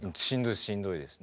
しんどいです。